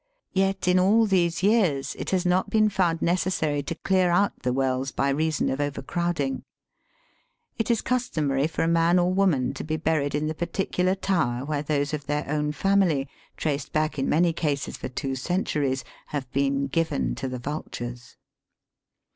Yet in all these years it has not been found necessary to clear out the wells by reason of overcrowding. It is customary for a man or woman to be buried Digitized by VjOOQIC BURYING AND GIVING IN MARRIAGE. 195 in the particular tower where those of their own family, traced back in many cases for two centuries, have been given to the vultures.